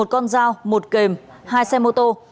một con dao một kềm hai xe mô tô